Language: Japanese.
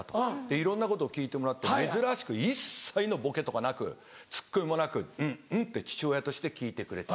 いろんなことを聞いてもらって珍しく一切のボケとかなくツッコミもなく「うんうん」って父親として聞いてくれた。